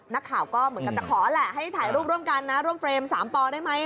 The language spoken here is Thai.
นักข่าวก็เหมือนกับจะขอแหละให้ถ่ายรูปร่วมกันนะร่วมเฟรม๓ปอได้ไหม